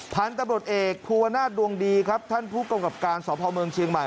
พันธบดเอกภูวนาศดวงดีครับท่านผู้กำกับการสพเชียงใหม่